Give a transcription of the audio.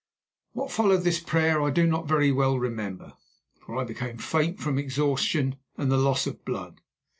What followed this prayer I do not very well remember, for I became faint from exhaustion and the loss of blood.